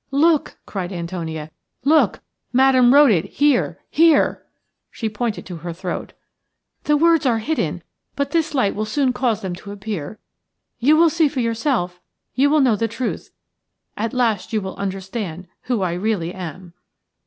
"Look!" cried Antonia, "look! Madame wrote it here – here." She pointed to her throat. "The words are hidden, but this light will soon cause them to appear. You will see for yourself, you will know the truth. At last you will understand who I really am."